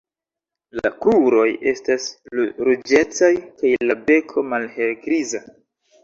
La kruroj estas ruĝecaj kaj la beko malhelgriza.